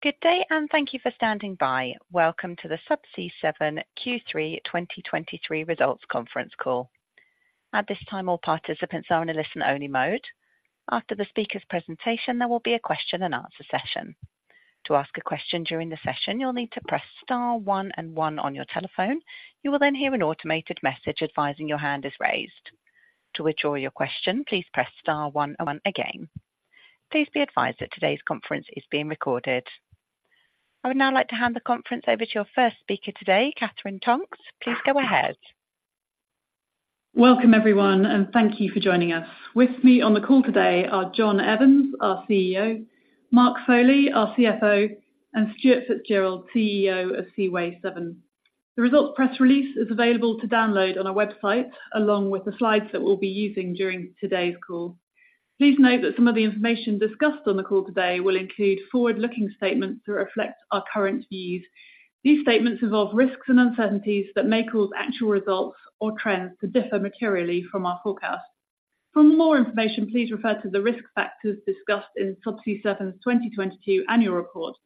Good day, and thank you for standing by. Welcome to the Subsea 7 Q3 2023 Results Conference Call. At this time, all participants are in a listen-only mode. After the speaker's presentation, there will be a question and answer session. To ask a question during the session, you'll need to press star one and one on your telephone. You will then hear an automated message advising your hand is raised. To withdraw your question, please press star one and one again. Please be advised that today's conference is being recorded. I would now like to hand the conference over to your first speaker today, Katherine Tonks. Please go ahead. Welcome, everyone, and thank you for joining us. With me on the call today are John Evans, our CEO, Mark Foley, our CFO, and Stuart Fitzgerald, CEO of Seaway 7. The results press release is available to download on our website, along with the slides that we'll be using during today's call. Please note that some of the information discussed on the call today will include forward-looking statements that reflect our current views. These statements involve risks and uncertainties that may cause actual results or trends to differ materially from our forecast. For more information, please refer to the risk factors discussed in Subsea 7's 2022 annual report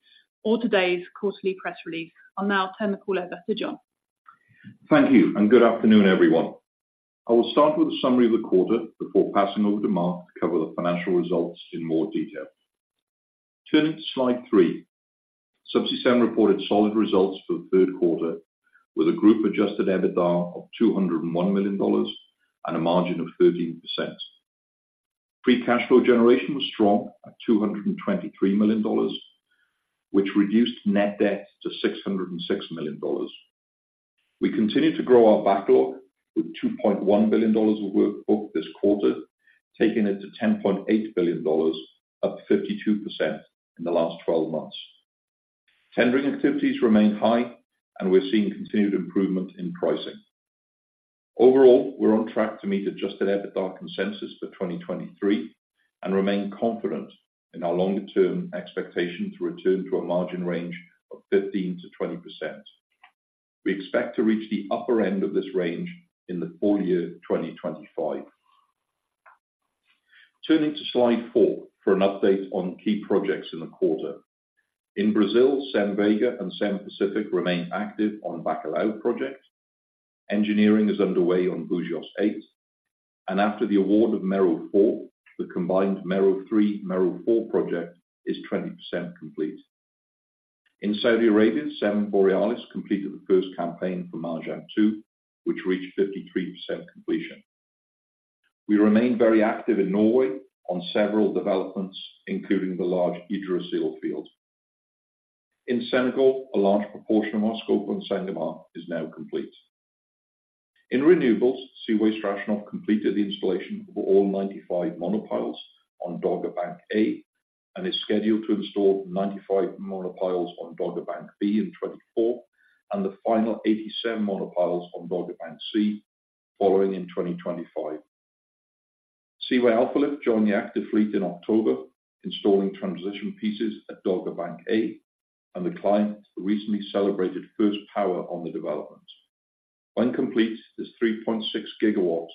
or today's quarterly press release. I'll now turn the call over to John. Thank you, and good afternoon, everyone. I will start with a summary of the quarter before passing over to Mark to cover the financial results in more detail. Turning to slide three, Subsea 7 reported solid results for the third quarter, with a group-adjusted EBITDA of $201 million and a margin of 13%. Free cash flow generation was strong at $223 million, which reduced net debt to $606 million. We continued to grow our backlog, with $2.1 billion of work booked this quarter, taking it to $10.8 billion, up 52% in the last 12 months. Tendering activities remain high, and we're seeing continued improvement in pricing. Overall, we're on track to meet adjusted EBITDA consensus for 2023 and remain confident in our longer-term expectation to return to a margin range of 15%-20%. We expect to reach the upper end of this range in the full year 2025. Turning to slide 4 for an update on key projects in the quarter. In Brazil, Seven Vega and Seven Pacific remain active on Bacalhau project. Engineering is underway on Búzios 8, and after the award of Mero 4, the combined Mero 3, Mero 4 project is 20% complete. In Saudi Arabia, Seven Borealis completed the first campaign for Marjan 2, which reached 53% completion. We remain very active in Norway on several developments, including the large Yggdrasil field. In Senegal, a large proportion of our scope on Sangomar is now complete. In renewables, Seaway Strashnov completed the installation of all 95 monopiles on Dogger Bank A and is scheduled to install 95 monopiles on Dogger Bank B in 2024 and the final 87 monopiles on Dogger Bank C, following in 2025. Seaway Alpha Lift joined the active fleet in October, installing transition pieces at Dogger Bank A, and the client recently celebrated first power on the development. When complete, this 3.6 gigawatts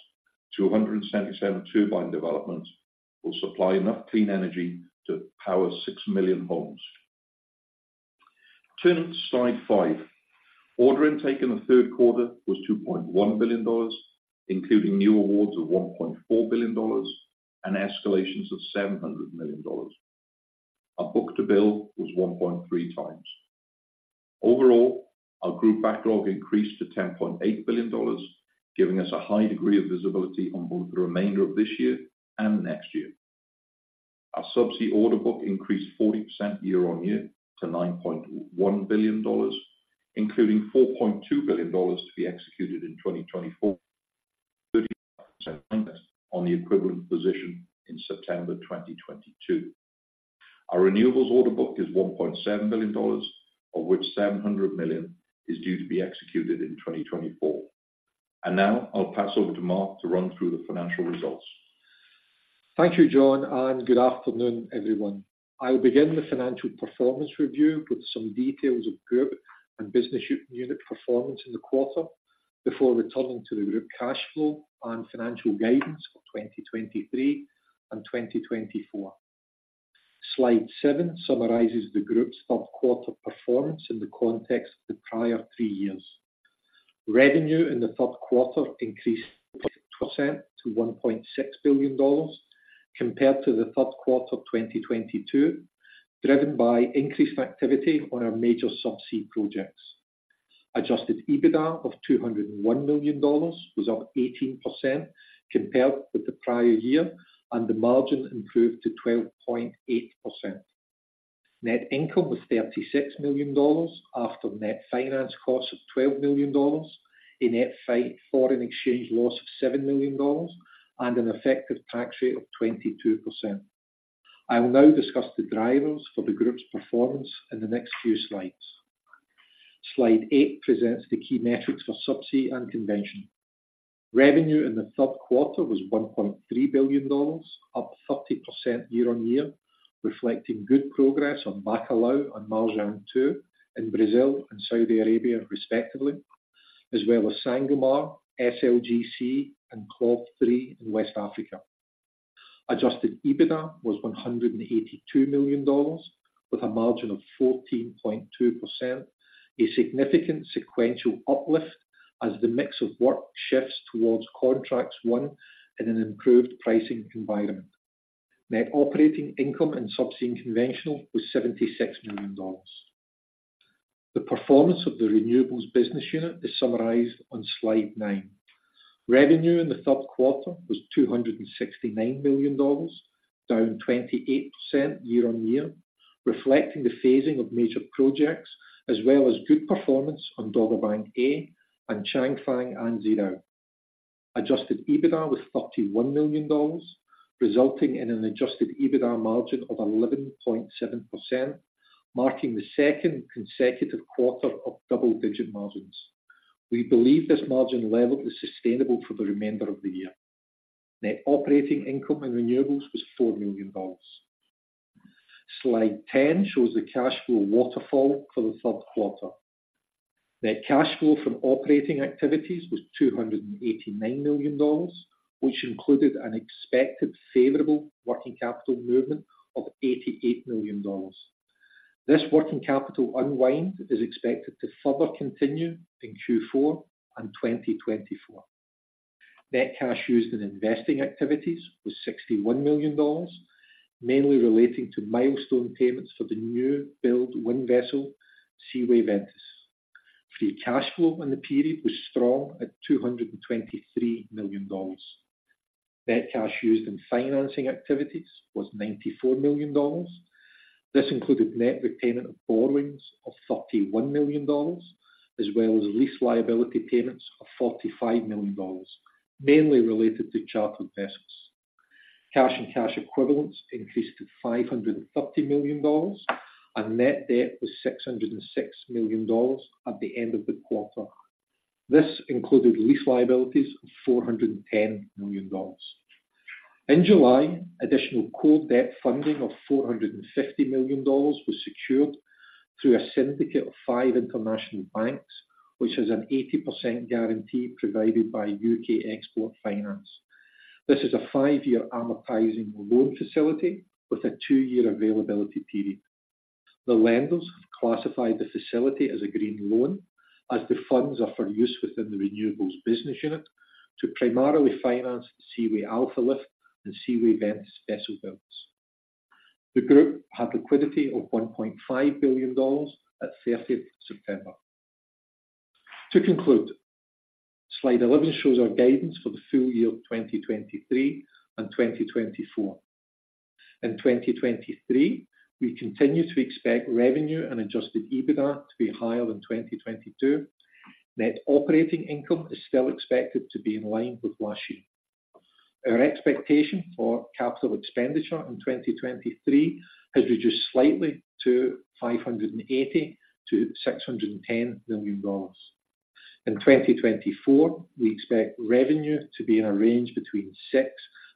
to a 177 turbine development will supply enough clean energy to power 6 million homes. Turning to slide 5. Order intake in the third quarter was $2.1 billion, including new awards of $1.4 billion and escalations of $700 million. Our book-to-bill was 1.3 times. Overall, our group backlog increased to $10.8 billion, giving us a high degree of visibility on both the remainder of this year and next year. Our Subsea order book increased 40% year-on-year to $9.1 billion, including $4.2 billion to be executed in 2024, 30% on the equivalent position in September 2022. Our renewables order book is $1.7 billion, of which $700 million is due to be executed in 2024. Now I'll pass over to Mark to run through the financial results. Thank you, John, and good afternoon, everyone. I will begin the financial performance review with some details of group and business unit performance in the quarter before returning to the group cash flow and financial guidance for 2023 and 2024. Slide 7 summarizes the group's third quarter performance in the context of the prior three years. Revenue in the third quarter increased 12% to $1.6 billion, compared to the third quarter of 2022, driven by increased activity on our major Subsea projects. Adjusted EBITDA of $201 million was up 18% compared with the prior year, and the margin improved to 12.8%. Net income was $36 million after net finance costs of $12 million, a net foreign exchange loss of $7 million, and an effective tax rate of 22%. I will now discuss the drivers for the group's performance in the next few slides. Slide 8 presents the key metrics for Subsea and Conventional. Revenue in the third quarter was $1.3 billion, up 30% year-on-year, reflecting good progress on Bacalhau and Marjan 2 in Brazil and Saudi Arabia respectively, as well as Sangomar, SLGC, and CLOV 3 in West Africa.... Adjusted EBITDA was $182 million, with a margin of 14.2%, a significant sequential uplift as the mix of work shifts towards contracts won in an improved pricing environment. Net operating income in Subsea Conventional was $76 million. The performance of the renewables business unit is summarized on slide 9. Revenue in the third quarter was $269 million, down 28% year-on-year, reflecting the phasing of major projects, as well as good performance on Dogger Bank A and Changfang and Xidao. Adjusted EBITDA was $31 million, resulting in an adjusted EBITDA margin of 11.7%, marking the second consecutive quarter of double-digit margins. We believe this margin level is sustainable for the remainder of the year. Net operating income in renewables was $4 million. Slide 10 shows the cash flow waterfall for the third quarter. Net cash flow from operating activities was $289 million, which included an expected favorable working capital movement of $88 million. This working capital unwind is expected to further continue in Q4 and 2024. Net cash used in investing activities was $61 million, mainly relating to milestone payments for the new build wind vessel, Seaway Ventus. Free cash flow in the period was strong at $223 million. Net cash used in financing activities was $94 million. This included net repayment of borrowings of $31 million, as well as lease liability payments of $45 million, mainly related to chartered vessels. Cash and cash equivalents increased to $530 million, and net debt was $606 million at the end of the quarter. This included lease liabilities of $410 million. In July, additional core debt funding of $450 million was secured through a syndicate of 5 international banks, which has an 80% guarantee provided by UK Export Finance. This is a 5-year amortizing loan facility with a 2-year availability period. The lenders have classified the facility as a green loan, as the funds are for use within the renewables business unit to primarily finance the Seaway Alpha Lift and Seaway Ventus vessel builds. The group had liquidity of $1.5 billion at thirtieth September. To conclude, slide 11 shows our guidance for the full year of 2023 and 2024. In 2023, we continue to expect revenue and Adjusted EBITDA to be higher than 2022. Net operating income is still expected to be in line with last year. Our expectation for capital expenditure in 2023 has reduced slightly to $580 million-$610 million. In 2024, we expect revenue to be in a range between $6 billion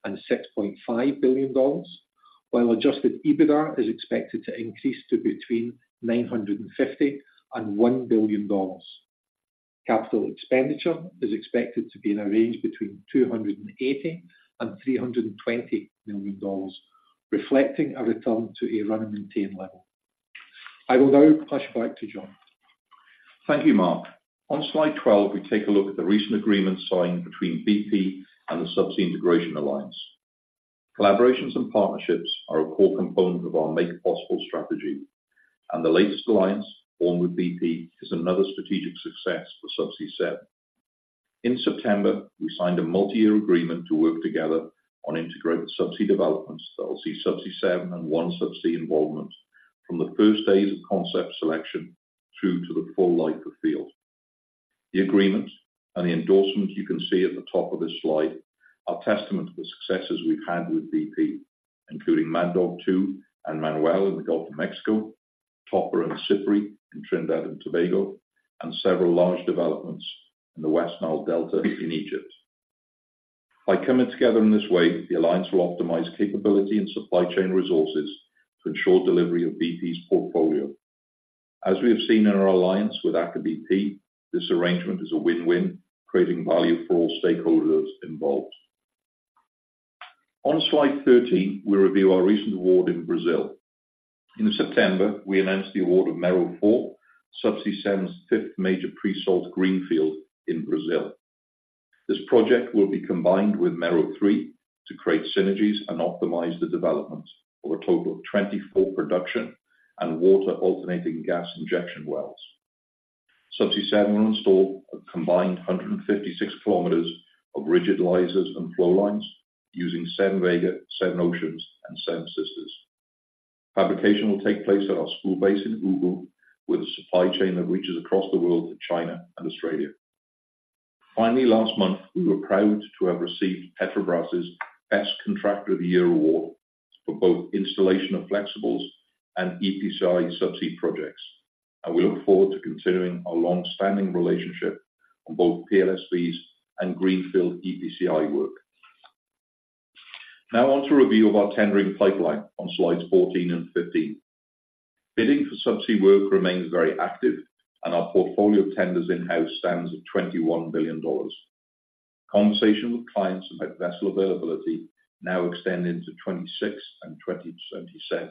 and $6.5 billion, while Adjusted EBITDA is expected to increase to between $950 million and $1 billion. Capital expenditure is expected to be in a range between $280 million and $320 million, reflecting a return to a run-and-maintain level. I will now pass you back to John. Thank you, Mark. On slide 12, we take a look at the recent agreement signed between BP and the Subsea Integration Alliance. Collaborations and partnerships are a core component of our Make It Possible strategy, and the latest alliance formed with BP is another strategic success for Subsea 7. In September, we signed a multi-year agreement to work together on integrated subsea developments that will see Subsea 7 and OneSubsea involvement from the first days of concept selection through to the full life of field. The agreement and the endorsement you can see at the top of this slide are testament to the successes we've had with BP, including Mad Dog two and Manuel in the Gulf of Mexico, Topaz and Cypre in Trinidad and Tobago, and several large developments in the West Nile Delta in Egypt. By coming together in this way, the alliance will optimize capability and supply chain resources to ensure delivery of BP's portfolio. As we have seen in our alliance with Aker BP, this arrangement is a win-win, creating value for all stakeholders involved. On slide 13, we review our recent award in Brazil. In September, we announced the award of Mero 4, Subsea 7's fifth major pre-salt greenfield in Brazil. This project will be combined with Mero 3 to create synergies and optimize the development over a total of 24 production and water-alternating-gas injection wells. Subsea seven will install a combined 156 kilometers of rigid risers and flowlines using Seven Vega, Seven Oceans, and Seven Sisters. Fabrication will take place at our spool base in Ubu, with a supply chain that reaches across the world to China and Australia. Finally, last month, we were proud to have received Petrobras's Best Contractor of the Year award for both installation of flexibles and EPCI subsea projects, and we look forward to continuing our long-standing relationship on both PLSPs and greenfield EPCI work. Now on to a review of our tendering pipeline on slides 14 and 15. Bidding for subsea work remains very active, and our portfolio of tenders in-house stands at $21 billion. Conversations with clients about vessel availability now extend into 2026 and 2027.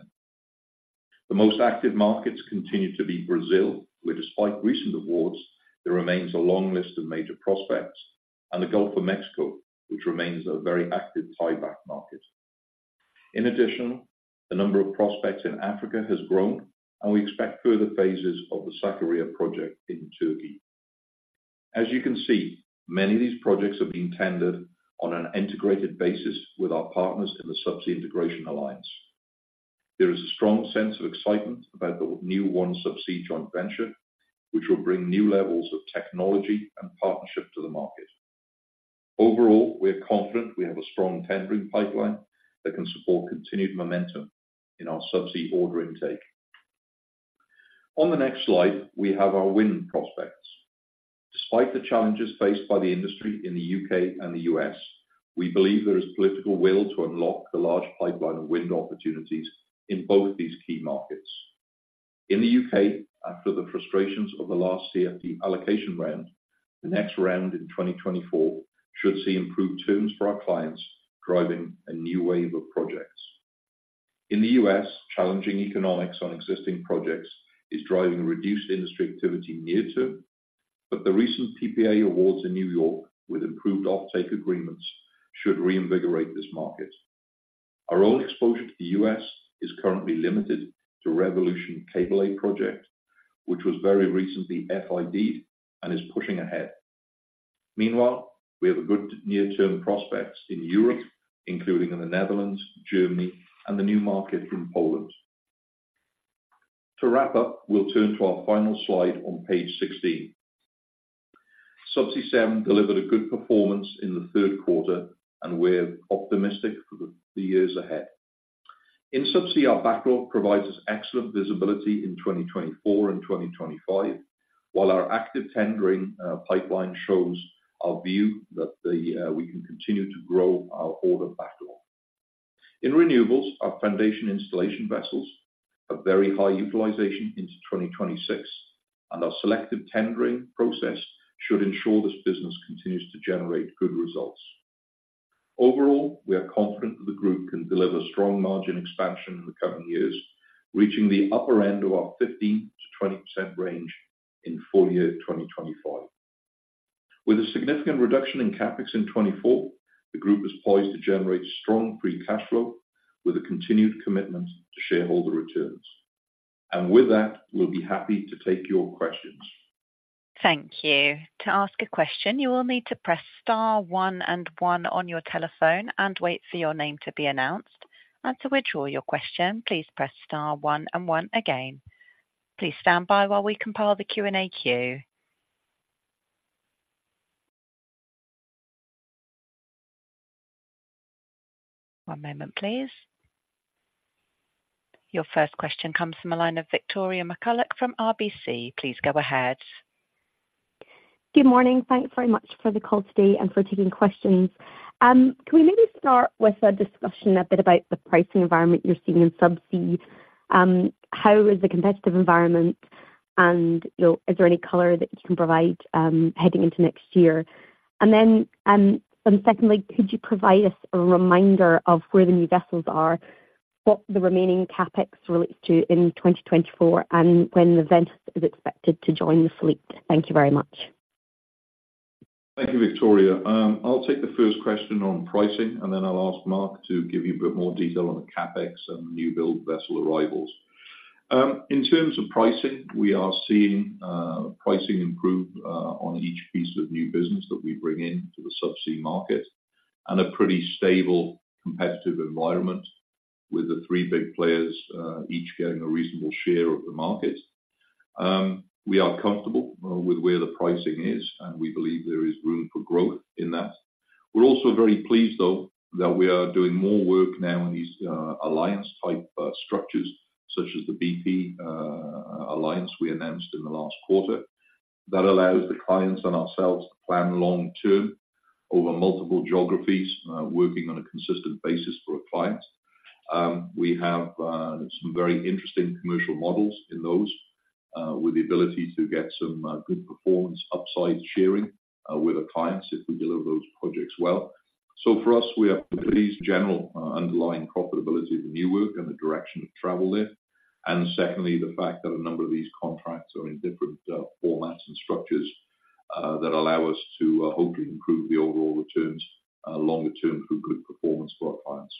The most active markets continue to be Brazil, where despite recent awards, there remains a long list of major prospects, and the Gulf of Mexico, which remains a very active tieback market. In addition, the number of prospects in Africa has grown, and we expect further phases of the Sakarya project in Turkey. As you can see, many of these projects are being tendered on an integrated basis with our partners in the Subsea Integration Alliance. There is a strong sense of excitement about the new OneSubsea joint venture, which will bring new levels of technology and partnership to the market. Overall, we are confident we have a strong tendering pipeline that can support continued momentum in our subsea order intake. On the next slide, we have our wind prospects. Despite the challenges faced by the industry in the U.K. and the U.S., we believe there is political will to unlock the large pipeline of wind opportunities in both these key markets. In the U.K., after the frustrations of the last CFD allocation round, the next round in 2024 should see improved terms for our clients, driving a new wave of projects. In the U.S., challenging economics on existing projects is driving reduced industry activity near term, but the recent PPA awards in New York with improved offtake agreements should reinvigorate this market. Our own exposure to the U.S. is currently limited to Revolution Cable A project, which was very recently FIDded and is pushing ahead. Meanwhile, we have a good near-term prospects in Europe, including in the Netherlands, Germany, and the new market in Poland. To wrap up, we'll turn to our final slide on page 16. Subsea 7 delivered a good performance in the third quarter, and we're optimistic for the years ahead. In Subsea, our backlog provides us excellent visibility in 2024 and 2025, while our active tendering pipeline shows our view that we can continue to grow our order backlog. In renewables, our foundation installation vessels have very high utilization into 2026, and our selective tendering process should ensure this business continues to generate good results. Overall, we are confident that the group can deliver strong margin expansion in the coming years, reaching the upper end of our 15%-20% range in full year 2025. With a significant reduction in CapEx in 2024, the group is poised to generate strong free cash flow with a continued commitment to shareholder returns. With that, we'll be happy to take your questions. Thank you. To ask a question, you will need to press star 1 and 1 on your telephone and wait for your name to be announced. And to withdraw your question, please press star 1 and 1 again. Please stand by while we compile the Q&A queue. One moment, please. Your first question comes from the line of Victoria McCulloch from RBC. Please go ahead. Good morning. Thanks very much for the call today and for taking questions. Can we maybe start with a discussion a bit about the pricing environment you're seeing in Subsea? How is the competitive environment, and, you know, is there any color that you can provide, heading into next year? And then, and secondly, could you provide us a reminder of where the new vessels are, what the remaining CapEx relates to in 2024, and when the Ventus is expected to join the fleet? Thank you very much. Thank you, Victoria. I'll take the first question on pricing, and then I'll ask Mark to give you a bit more detail on the CapEx and new build vessel arrivals. In terms of pricing, we are seeing pricing improve on each piece of new business that we bring in to the Subsea market, and a pretty stable competitive environment with the three big players each getting a reasonable share of the market. We are comfortable with where the pricing is, and we believe there is room for growth in that. We're also very pleased, though, that we are doing more work now in these alliance-type structures, such as the BP alliance we announced in the last quarter. That allows the clients and ourselves to plan long term over multiple geographies, working on a consistent basis for a client. We have some very interesting commercial models in those with the ability to get some good performance upside sharing with the clients if we deliver those projects well. So for us, we are pleased general underlying profitability of the new work and the direction of travel there. And secondly, the fact that a number of these contracts are in different formats and structures that allow us to hopefully improve the overall returns longer term through good performance for our clients.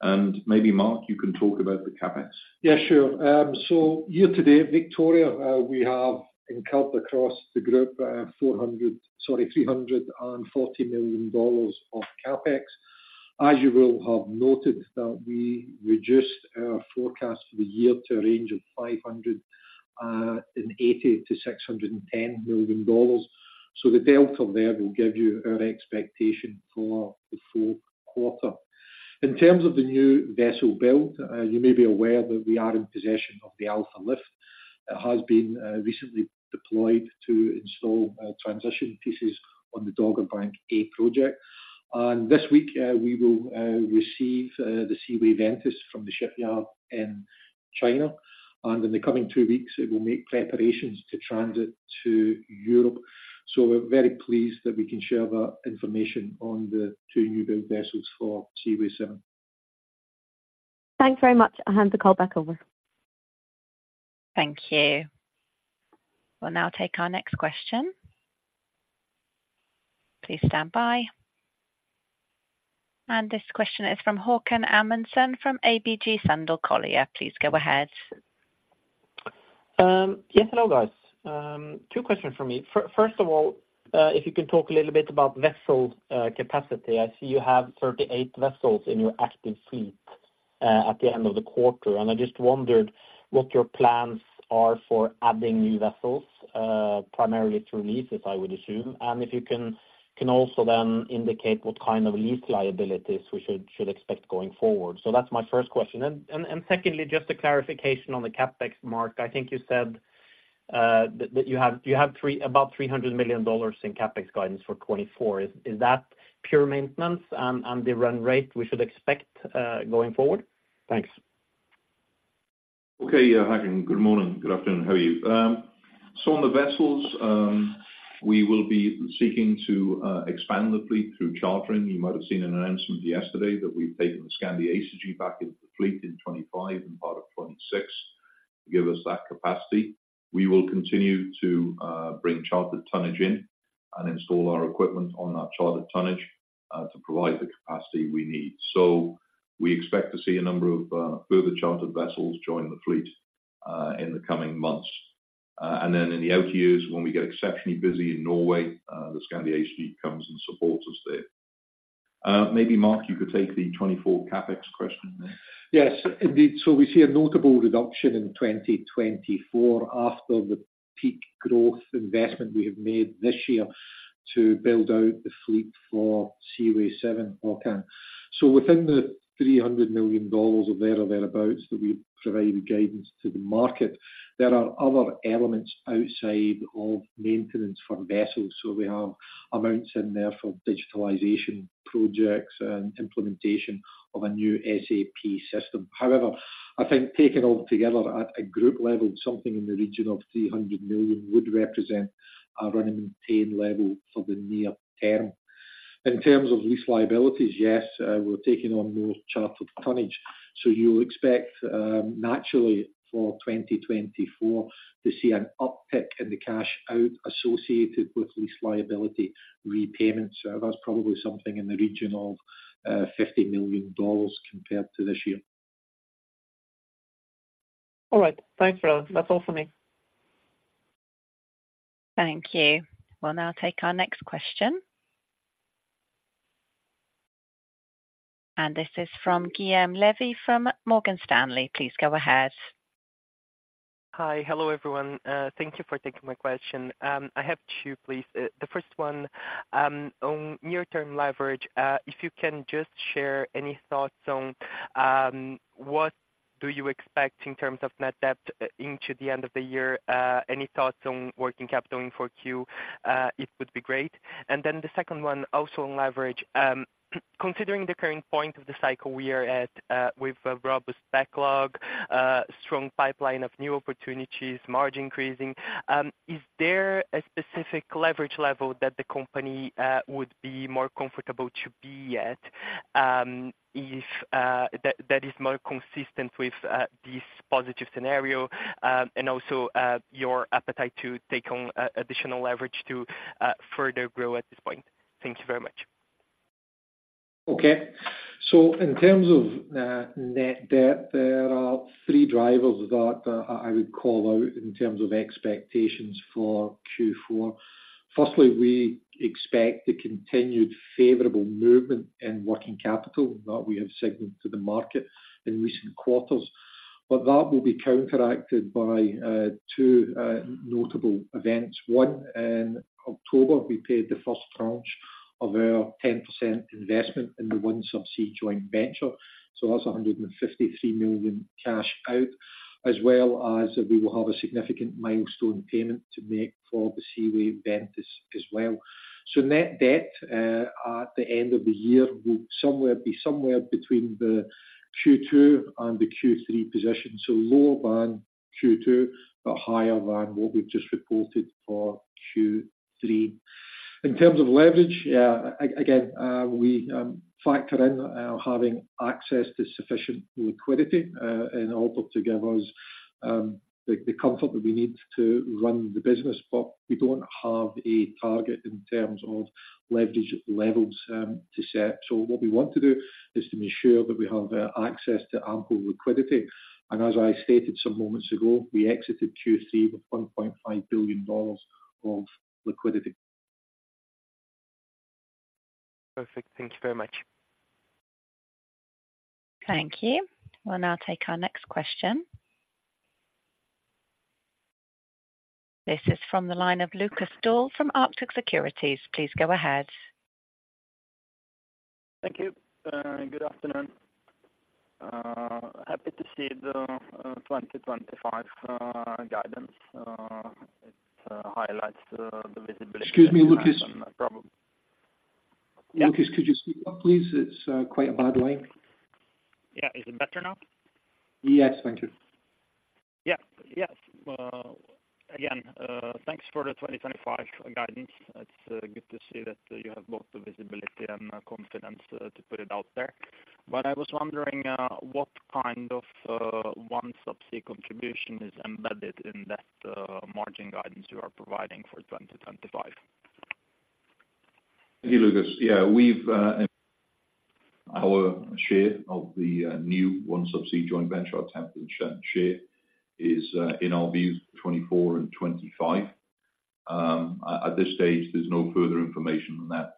And maybe Mark, you can talk about the CapEx. Yeah, sure. So year to date, Victoria, we have incurred across the group, 400, sorry, $340 million of CapEx. As you will have noted, that we reduced our forecast for the year to a range of $580-$610 million. So the delta there will give you our expectation for the fourth quarter. In terms of the new vessel build, you may be aware that we are in possession of the Seaway Alpha Lift. It has been recently deployed to install transition pieces on the Dogger Bank A project. And this week, we will receive the Seaway Ventus from the shipyard in China, and in the coming two weeks, it will make preparations to transit to Europe. We're very pleased that we can share that information on the two new build vessels for Seaway 7. Thanks very much. I'll hand the call back over. Thank you. We'll now take our next question. Please stand by. This question is from Haakon Amundsen, from ABG Sundal Collier. Please go ahead. Yes, hello, guys. Two questions from me. First of all, if you can talk a little bit about vessel capacity. I see you have 38 vessels in your active fleet at the end of the quarter, and I just wondered what your plans are for adding new vessels, primarily through leases, I would assume. And if you can also then indicate what kind of lease liabilities we should expect going forward. So that's my first question. And secondly, just a clarification on the CapEx mark. I think you said that you have about $300 million in CapEx guidance for 2024. Is that pure maintenance and the run rate we should expect going forward? Thanks. Okay, yeah, Håkon, good morning. Good afternoon, how are you? So on the vessels, we will be seeking to expand the fleet through chartering. You might have seen an announcement yesterday that we've taken the Skandi Acergy back into the fleet in 2025 and part of 2026, to give us that capacity. We will continue to bring chartered tonnage in and install our equipment on that chartered tonnage, to provide the capacity we need. So we expect to see a number of further chartered vessels join the fleet, in the coming months. And then in the out years, when we get exceptionally busy in Norway, the Skandi Acergy comes and supports us there. Maybe, Mark, you could take the 2024 CapEx question. Yes, indeed. So we see a notable reduction in 2024 after the peak growth investment we have made this year to build out the fleet for Seaway 7, Håkon. So within the $300 million or thereabouts, that we provided guidance to the market, there are other elements outside of maintenance for vessels. So we have amounts in there for digitalization projects and implementation of a new SAP system. However, I think taken all together at a group level, something in the region of $300 million would represent a run-and-maintain level for the near term. In terms of lease liabilities, yes, we're taking on more chartered tonnage, so you'll expect, naturally for 2024 to see an uptick in the cash out associated with lease liability repayments. So that's probably something in the region of $50 million compared to this year. All right. Thanks, fellas. That's all for me. Thank you. We'll now take our next question. This is from Guillaume Levy, from Morgan Stanley. Please go ahead. Hi. Hello, everyone. Thank you for taking my question. I have two, please. The first one, on near-term leverage, if you can just share any thoughts on, what do you expect in terms of Net debt, into the end of the year? Any thoughts on working capital in 4Q, it would be great. And then the second one, also on leverage. Considering the current point of the cycle we are at, with a robust backlog, strong pipeline of new opportunities, margin increasing, is there a specific leverage level that the company, would be more comfortable to be at, if, that, that is more consistent with, this positive scenario, and also, your appetite to take on, additional leverage to, further grow at this point? Thank you very much. Okay. So in terms of net debt, there are three drivers that I would call out in terms of expectations for Q4. Firstly, we expect a continued favorable movement in working capital, that we have signaled to the market in recent quarters. But that will be counteracted by two notable events. One, in October, we paid the first tranche of our 10% investment in the OneSubsea joint venture, so that's $153 million cash out, as well as we will have a significant milestone payment to make for the Seaway Ventus as well. So net debt at the end of the year will be somewhere between the Q2 and the Q3 position. So lower than Q2, but higher than what we've just reported for Q3. In terms of leverage, again, we factor in having access to sufficient liquidity, in order to give us the comfort that we need to run the business, but we don't have a target in terms of leverage levels to set. So what we want to do is to ensure that we have access to ample liquidity. And as I stated some moments ago, we exited Q3 with $1.5 billion of liquidity. Perfect. Thank you very much. Thank you. We'll now take our next question. This is from the line of Lukas Daul, from Arctic Securities. Please go ahead.... Thank you. Good afternoon. Happy to see the 2025 guidance. It highlights the, the visibility- Excuse me, Lucas. Yeah. Lucas, could you speak up, please? It's quite a bad link. Yeah. Is it better now? Yes, thank you. Yeah. Yes. Well, again, thanks for the 2025 guidance. It's good to see that you have both the visibility and the confidence to put it out there. But I was wondering what kind of OneSubsea contribution is embedded in that margin guidance you are providing for 2025? Thank you, Lucas. Yeah, we've our share of the new OneSubsea joint venture, our 10% share is in our views, 2024 and 2025. At this stage, there's no further information than that.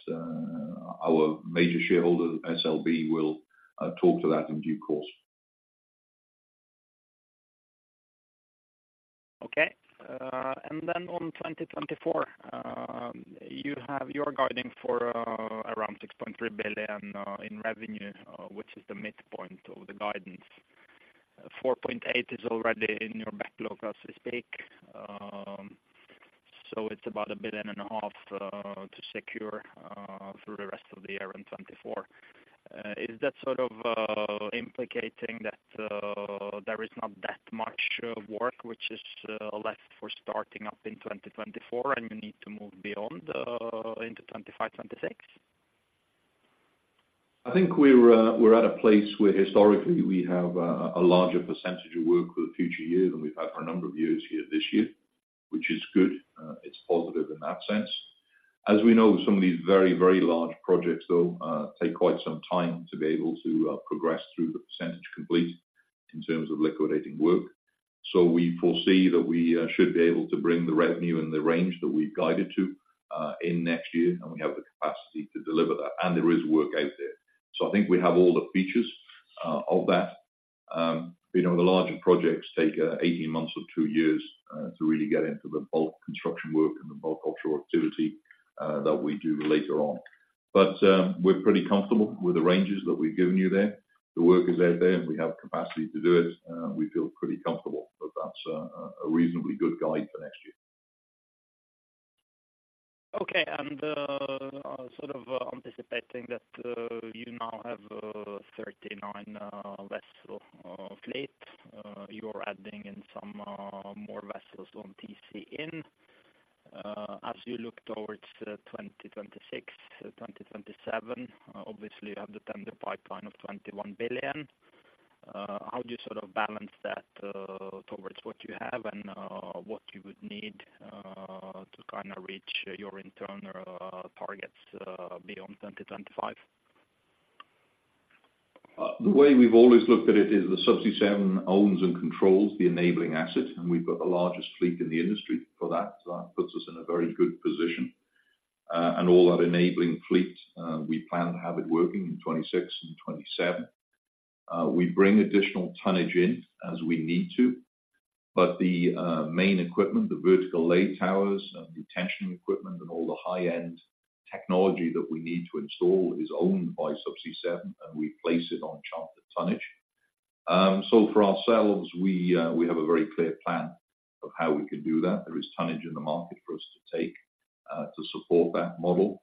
Our major shareholder, SLB, will talk to that in due course. Okay. And then on 2024, you have your guidance for around $6.3 billion in revenue, which is the midpoint of the guidance. $4.8 billion is already in your backlog, as we speak. So it's about $1.5 billion to secure for the rest of the year in 2024. Is that sort of implying that there is not that much work which is left for starting up in 2024, and you need to move beyond into 2025, 2026? I think we're at a place where historically we have a larger percentage of work for the future year than we've had for a number of years here this year, which is good. It's positive in that sense. As we know, some of these very, very large projects, though, take quite some time to be able to progress through the percentage complete in terms of liquidating work. So we foresee that we should be able to bring the revenue in the range that we've guided to in next year, and we have the capacity to deliver that, and there is work out there. So I think we have all the features of that. You know, the larger projects take 18 months or two years to really get into the bulk construction work and the bulk cultural activity that we do later on. But, we're pretty comfortable with the ranges that we've given you there. The work is out there, and we have capacity to do it. We feel pretty comfortable that that's a reasonably good guide for next year. Okay, and sort of anticipating that you now have a 39 vessel fleet. You're adding in some more vessels on TC in. As you look towards 2026 to 2027, obviously, you have the tender pipeline of $21 billion. How do you sort of balance that towards what you have and what you would need to kind of reach your internal targets beyond 2025? The way we've always looked at it is the Subsea 7 owns and controls the enabling assets, and we've got the largest fleet in the industry for that. So that puts us in a very good position. And all that enabling fleet, we plan to have it working in 2026 and 2027. We bring additional tonnage in as we need to, but the main equipment, the vertical lay towers and the tension equipment and all the high-end technology that we need to install is owned by Subsea 7, and we place it on chartered tonnage. So for ourselves, we have a very clear plan of how we can do that. There is tonnage in the market for us to take to support that model.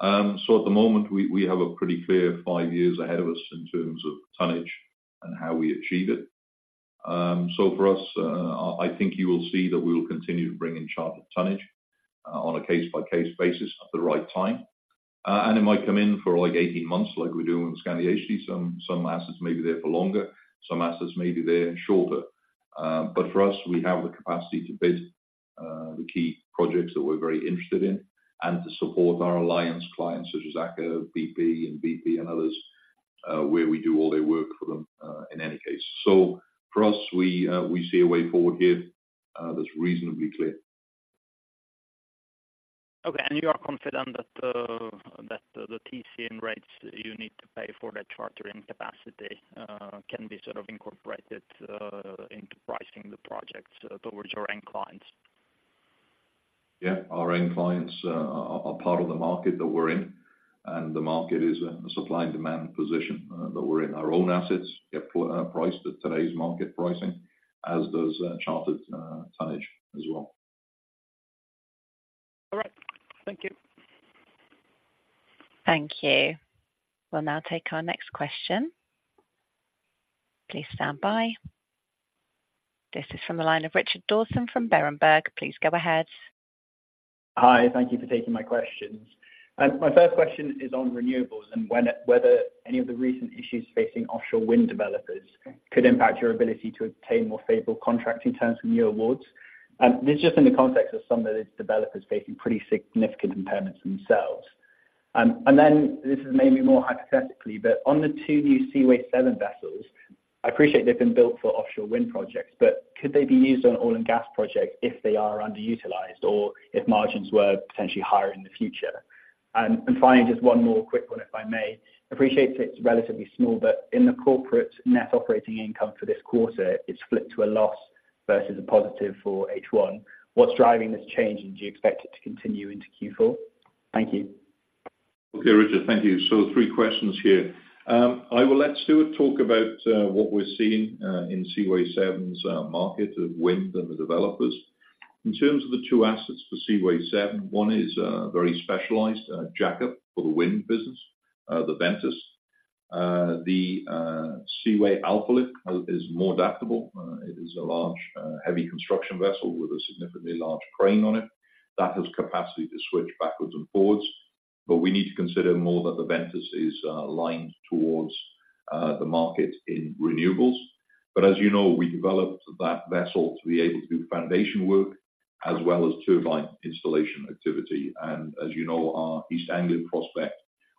So at the moment, we have a pretty clear five years ahead of us in terms of tonnage and how we achieve it. So for us, I think you will see that we will continue to bring in chartered tonnage on a case-by-case basis at the right time. And it might come in for, like, 18 months, like we do in Skandi HG. Some assets may be there for longer, some assets may be there shorter. But for us, we have the capacity to bid the key projects that we're very interested in and to support our alliance clients, such as Aker BP and BP, and others, where we do all their work for them in any case. So for us, we see a way forward here that's reasonably clear. Okay, and you are confident that, that the TC in rates you need to pay for that charter in capacity, can be sort of incorporated, into pricing the projects towards your end clients? Yeah, our end clients are part of the market that we're in, and the market is a supply and demand position that we're in. Our own assets get put, priced at today's market pricing, as does chartered tonnage as well. All right. Thank you. Thank you. We'll now take our next question. Please stand by. This is from the line of Richard Dawson from Berenberg. Please go ahead. Hi, thank you for taking my questions. My first question is on renewables, and whether any of the recent issues facing offshore wind developers could impact your ability to obtain more favorable contracting terms from new awards. This is just in the context of some of these developers facing pretty significant impairments themselves. And then this is maybe more hypothetically, but on the two new Seaway seven vessels, I appreciate they've been built for offshore wind projects, but could they be used on oil and gas projects if they are underutilized or if margins were potentially higher in the future? And finally, just one more quick one, if I may. I appreciate it's relatively small, but in the corporate net operating income for this quarter, it's flipped to a loss versus a positive for H1. What's driving this change, and do you expect it to continue into Q4? Thank you. Okay, Richard, thank you. So three questions here. I will let Stuart talk about what we're seeing in Seaway 7's market of wind and the developers. In terms of the two assets for Seaway 7, one is very specialized jackup for the wind business, the Seaway Ventus. The Seaway Alpha Lift is more adaptable. It is a large heavy construction vessel with a significantly large crane on it. That has capacity to switch backwards and forwards, but we need to consider more that the Seaway Ventus is lined towards the market in renewables. But as you know, we developed that vessel to be able to do foundation work as well as turbine installation activity. And as you know, our East Anglia project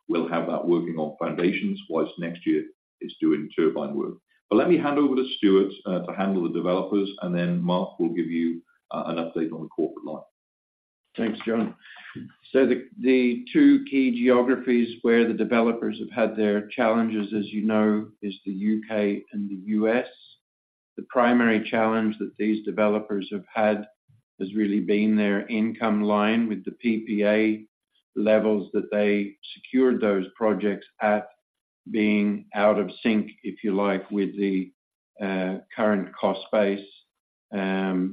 will have that working on foundations, while next year it's doing turbine work. But let me hand over to Stuart to handle the developers, and then Mark will give you an update on the corporate line. Thanks, John. So the two key geographies where the developers have had their challenges, as you know, is the U.K. and the U.S. The primary challenge that these developers have had has really been their income line with the PPA levels that they secured those projects at being out of sync, if you like, with the current cost base of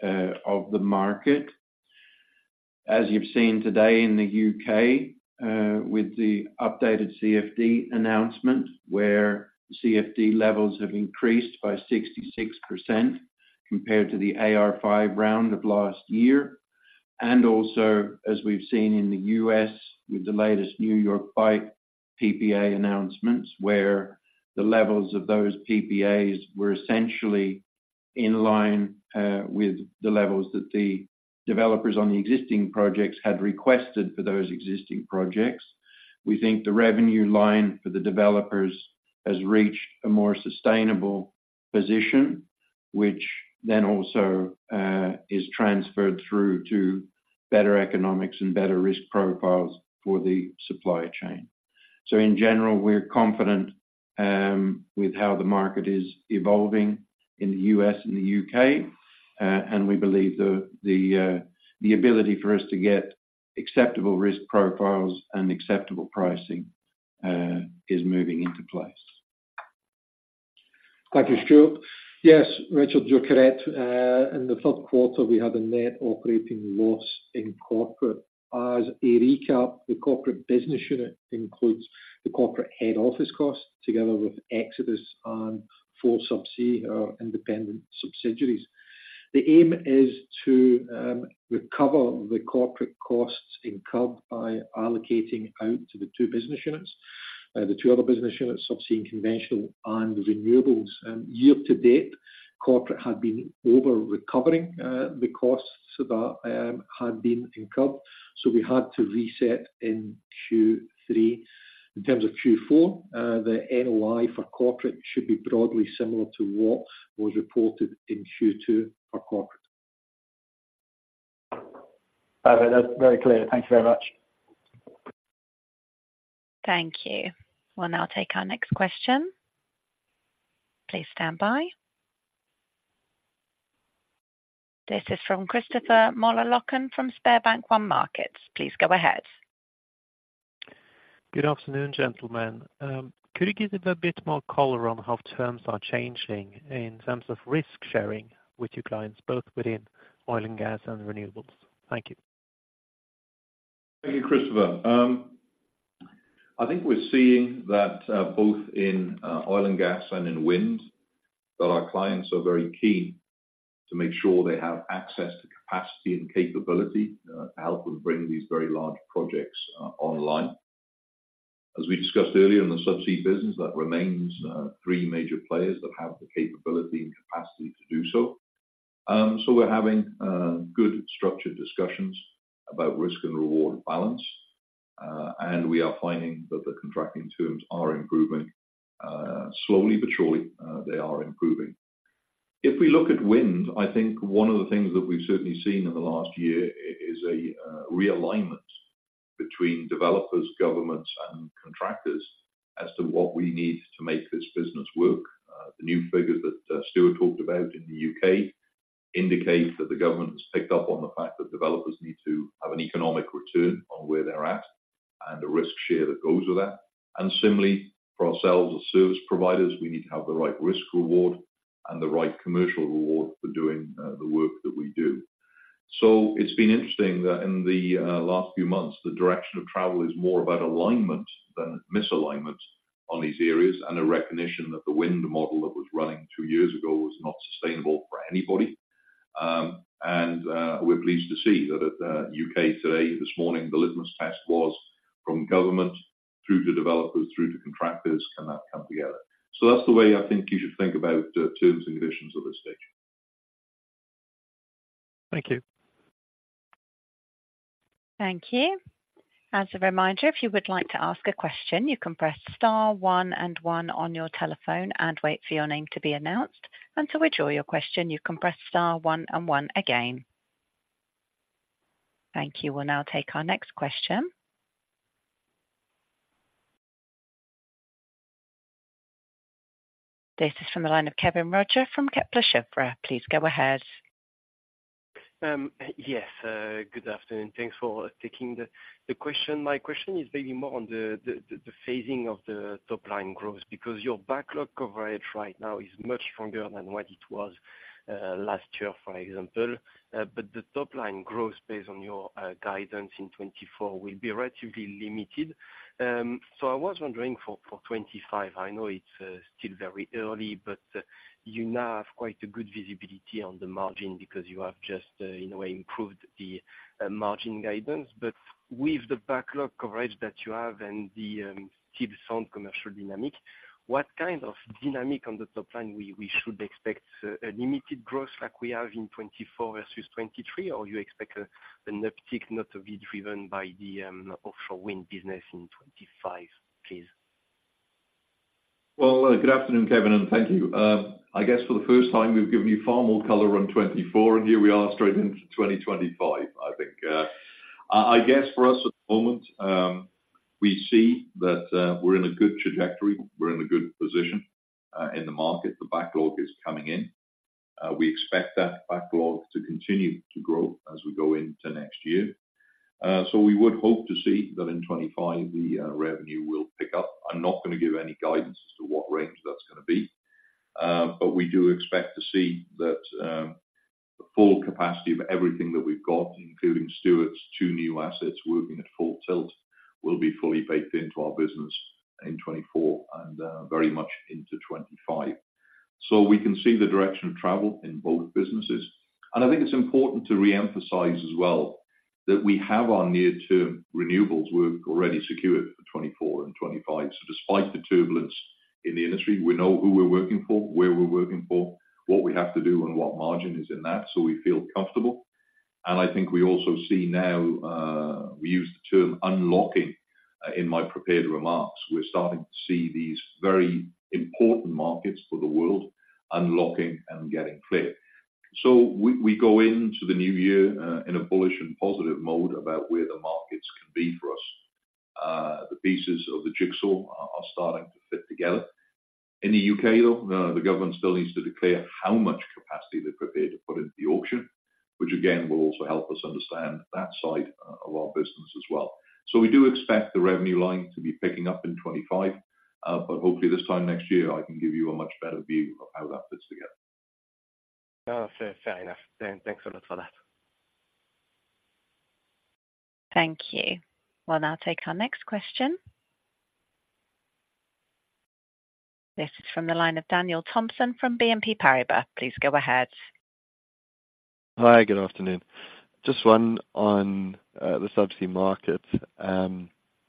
the market. As you've seen today in the U.K., with the updated CFD announcement, where CFD levels have increased by 66% compared to the AR5 round of last year, and also, as we've seen in the U.S., with the latest New York Bight PPA announcements, where the levels of those PPAs were essentially in line, with the levels that the developers on the existing projects had requested for those existing projects. We think the revenue line for the developers has reached a more sustainable position, which then also is transferred through to better economics and better risk profiles for the supply chain. So in general, we're confident with how the market is evolving in the US and the UK, and we believe the ability for us to get acceptable risk profiles and acceptable pricing is moving into place. Thank you, Stuart. Yes, Richard, you're correct. In the third quarter, we had a net operating loss in corporate. As a recap, the corporate business unit includes the corporate head office cost, together with Xodus and four subsea independent subsidiaries. The aim is to recover the corporate costs incurred by allocating out to the two business units. The two other business units, Subsea and Conventional and Renewables. Year to date, corporate had been over-recovering the costs that had been incurred, so we had to reset in Q3. In terms of Q4, the NOI for corporate should be broadly similar to what was reported in Q2 for corporate. Perfect. That's very clear. Thank you very much. Thank you. We'll now take our next question. Please stand by. This is from Christopher Møller Løkken from Sparebank 1 Markets. Please go ahead. Good afternoon, gentlemen. Could you give us a bit more color on how terms are changing in terms of risk sharing with your clients, both within oil and gas and renewables? Thank you. Thank you, Christopher. I think we're seeing that both in oil and gas and in wind, that our clients are very keen to make sure they have access to capacity and capability to help them bring these very large projects online. As we discussed earlier in the subsea business, that remains three major players that have the capability and capacity to do so. So we're having good structured discussions about risk and reward balance, and we are finding that the contracting terms are improving. Slowly but surely, they are improving. If we look at wind, I think one of the things that we've certainly seen in the last year is a realignment between developers, governments, and contractors as to what we need to make this business work. The new figures that Stuart talked about in the UK indicate that the government has picked up on the fact that developers need to have an economic return on where they're at and a risk share that goes with that. Similarly, for ourselves as service providers, we need to have the right risk reward and the right commercial reward for doing the work that we do. It's been interesting that in the last few months, the direction of travel is more about alignment than misalignment on these areas, and a recognition that the wind model that was running two years ago was not sustainable for anybody. We're pleased to see that at UK today, this morning, the litmus test was from government through to developers through to contractors. Can that come together? So that's the way I think you should think about terms and conditions at this stage. Thank you. Thank you. As a reminder, if you would like to ask a question, you can press star one and one on your telephone and wait for your name to be announced, and to withdraw your question, you can press star one and one again. Thank you. We'll now take our next question. This is from the line of Kevin Roger from Kepler Cheuvreux. Please go ahead. Yes, good afternoon. Thanks for taking the question. My question is maybe more on the phasing of the top-line growth, because your backlog coverage right now is much stronger than what it was last year, for example. But the top-line growth based on your guidance in 2024 will be relatively limited. So I was wondering for 2025, I know it's still very early, but you now have quite a good visibility on the margin because you have just in a way improved the margin guidance. But with the backlog coverage that you have and the, still sound commercial dynamic, what kind of dynamic on the top line we, we should expect, a limited growth like we have in 2024 versus 2023, or you expect, an uptick not to be driven by the, offshore wind business in 2025, please? Well, good afternoon, Kevin, and thank you. I guess for the first time, we've given you far more color on 2024, and here we are straight into 2025, I think. I guess for us at the moment, we see that, we're in a good trajectory. We're in a good position, in the market. The backlog is coming in. We expect that backlog to continue to grow as we go into next year. So we would hope to see that in 2025, the, revenue will pick up. I'm not going to give any guidance as to what range that's gonna be, but we do expect to see that, the full capacity of everything that we've got, including Stuart's two new assets working at full tilt, will be fully baked into our business in 2024 and, very much into 2025. So we can see the direction of travel in both businesses. And I think it's important to reemphasize as well, that we have our near-term renewables work already secured for 2024 and 2025. So despite the turbulence in the industry, we know who we're working for, where we're working for, what we have to do, and what margin is in that, so we feel comfortable. And I think we also see now, we use the term unlocking, in my prepared remarks. We're starting to see these very important markets for the world unlocking and getting clear. So we go into the new year in a bullish and positive mode about where the markets can be for us. The pieces of the jigsaw are starting to fit together. In the UK, though, the government still needs to declare how much capacity they're prepared to put into the auction, which, again, will also help us understand that side of our business as well. So we do expect the revenue line to be picking up in 2025, but hopefully, this time next year, I can give you a much better view of how that fits together. Fair enough. Thanks a lot for that. Thank you. We'll now take our next question. This is from the line of Daniel Thomson from BNP Paribas. Please go ahead. Hi, good afternoon. Just one on the subsea market. A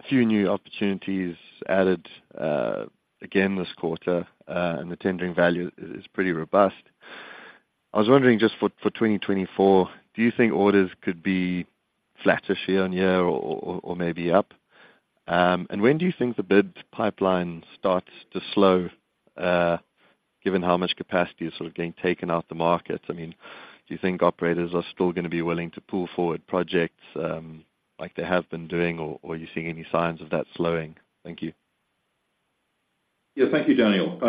few new opportunities added again this quarter, and the tendering value is pretty robust. I was wondering, just for 2024, do you think orders could be flattish year on year or maybe up? And when do you think the bid pipeline starts to slow, given how much capacity is sort of getting taken off the market? I mean, do you think operators are still gonna be willing to pull forward projects like they have been doing, or are you seeing any signs of that slowing? Thank you. Yeah. Thank you, Daniel.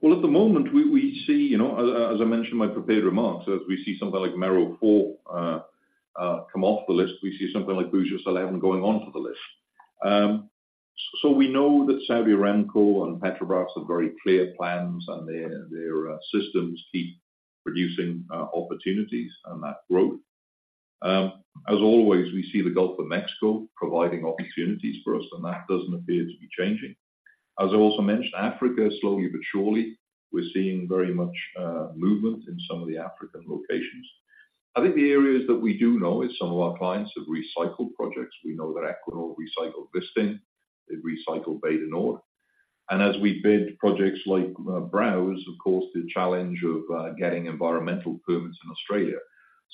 Well, at the moment, we see, you know, as I mentioned in my prepared remarks, as we see something like Mero four come off the list, we see something like Búzios 11 going onto the list. So we know that Saudi Aramco and Petrobras have very clear plans, and their systems keep producing opportunities and that growth. As always, we see the Gulf of Mexico providing opportunities for us, and that doesn't appear to be changing. As I also mentioned, Africa, slowly but surely, we're seeing very much movement in some of the African locations. I think the areas that we do know is some of our clients have recycled projects. We know that Equinor recycled this thing. They've recycled Bay du Nord. As we bid projects like Browse, of course, the challenge of getting environmental permits in Australia.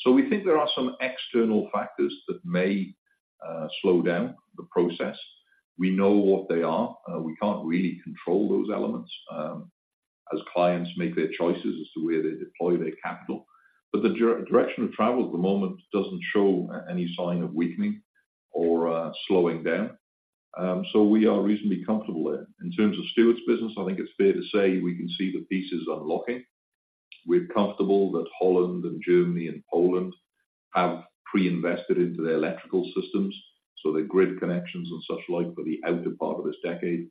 We think there are some external factors that may slow down the process. We know what they are. We can't really control those elements, as clients make their choices as to where they deploy their capital. But the direction of travel at the moment doesn't show any sign of weakening or slowing down. We are reasonably comfortable there. In terms of Stuart's business, I think it's fair to say we can see the pieces unlocking. We're comfortable that Holland and Germany and Poland have pre-invested into their electrical systems, so their grid connections and suchlike for the outer part of this decade.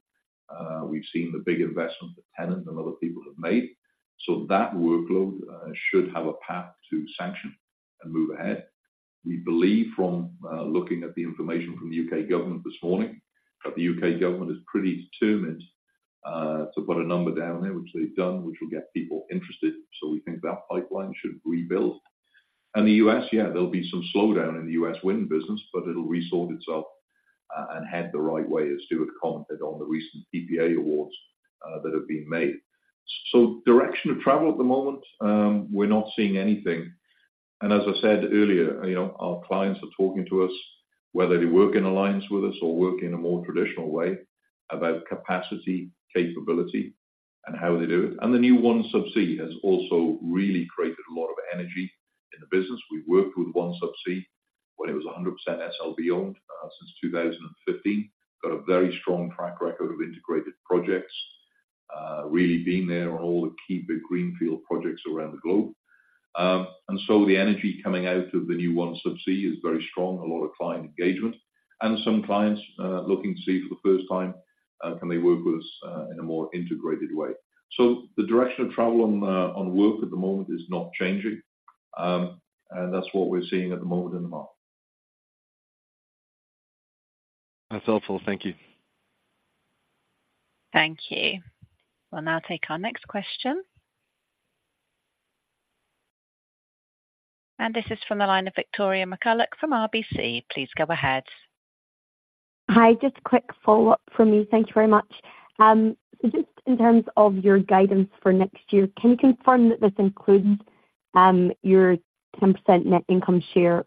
We've seen the big investment that TenneT and other people have made. So that workload should have a path to sanction and move ahead. We believe from looking at the information from the U.K. government this morning, that the U.K. government is pretty determined to put a number down there, which they've done, which will get people interested. So we think that pipeline should rebuild. And the U.S., yeah, there'll be some slowdown in the U.S. wind business, but it'll resort itself and head the right way, as Stuart commented on the recent PPA awards that have been made. So direction of travel at the moment, we're not seeing anything. And as I said earlier, you know, our clients are talking to us, whether they work in alliance with us or work in a more traditional way, about capacity, capability, and how they do it. The new OneSubsea has also really created a lot of energy in the business. We've worked with OneSubsea when it was 100% SLB owned since 2015. Got a very strong track record of integrated projects, really being there on all the key big greenfield projects around the globe. And so the energy coming out of the new OneSubsea is very strong, a lot of client engagement, and some clients looking to see for the first time can they work with us in a more integrated way? So the direction of travel on work at the moment is not changing. And that's what we're seeing at the moment in the market. That's helpful. Thank you. Thank you. We'll now take our next question. And this is from the line of Victoria McCulloch from RBC. Please go ahead. Hi, just a quick follow-up from me. Thank you very much. Just in terms of your guidance for next year, can you confirm that this includes, your 10% net income share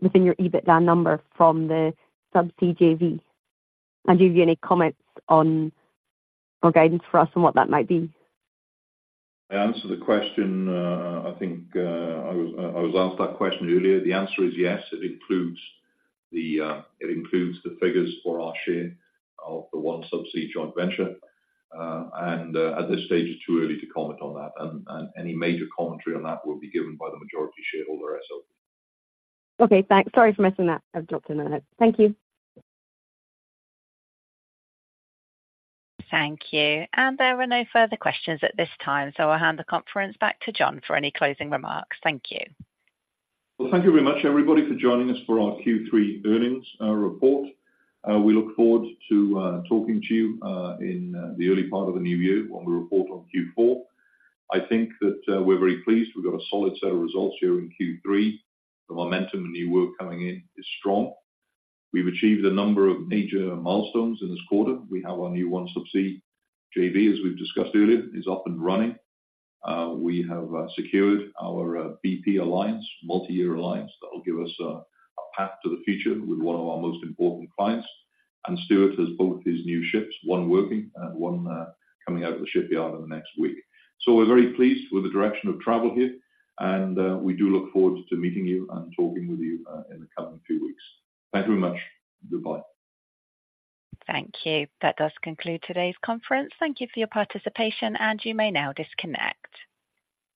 within your EBITDA number from the Subsea JV? And do you have any comments on, or guidance for us on what that might be? I answered the question, I think, I was asked that question earlier. The answer is yes, it includes the figures for our share of the OneSubsea joint venture. At this stage, it's too early to comment on that, and any major commentary on that will be given by the majority shareholder, SL. Okay, thanks. Sorry for missing that. I've dropped in ahead. Thank you. Thank you. There are no further questions at this time, so I'll hand the conference back to John for any closing remarks. Thank you. Well, thank you very much, everybody, for joining us for our Q3 earnings report. We look forward to talking to you in the early part of the new year when we report on Q4. I think that we're very pleased. We've got a solid set of results here in Q3. The momentum and new work coming in is strong. We've achieved a number of major milestones in this quarter. We have our new OneSubsea JV, as we've discussed earlier, is up and running. We have secured our BP alliance, multi-year alliance, that will give us a path to the future with one of our most important clients. And Stuart has both his new ships, one working and one coming out of the shipyard in the next week. We're very pleased with the direction of travel here, and we do look forward to meeting you and talking with you in the coming few weeks. Thank you very much. Goodbye. Thank you. That does conclude today's conference. Thank you for your participation, and you may now disconnect.